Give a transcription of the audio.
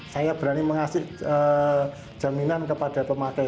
saya berani mengasih jaminan kepada pemakai